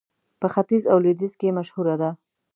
په ختيځ او لوېديځ کې مشهوره ده.